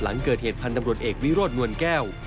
หลังเกิดเหตุพันธ์ตำรวจเอกวิโรธนวลแก้ว